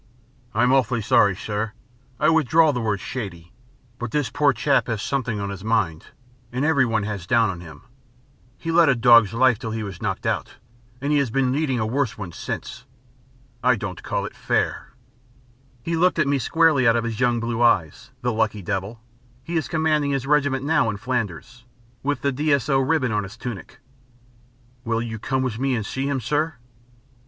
"I'm awfully sorry, sir. I withdraw the word 'shady.' But this poor chap has something on his mind, and everyone has a down on him. He led a dog's life till he was knocked out, and he has been leading a worse one since. I don't call it fair." He looked at me squarely out of his young blue eyes the lucky devil, he is commanding his regiment now in Flanders, with the D.S.O. ribbon on his tunic. "Will you come with me and see him, sir?"